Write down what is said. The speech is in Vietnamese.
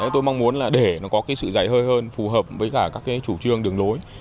tôi mong muốn là để nó có cái sự dạy hơi hơn phù hợp với cả các cái chủ trương đường lối